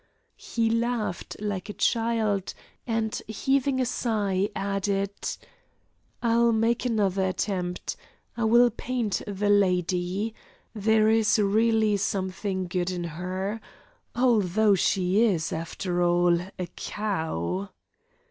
He laughed like a child, and, heaving a sigh, added: "I'll make another attempt. I will paint the lady. There is really something good in her. Although she is after all a cow."